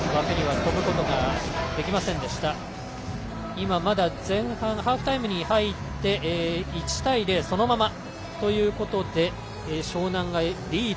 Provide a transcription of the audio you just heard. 今、まだ前半ハーフタイムに入って１対０、そのままということで湘南がリード。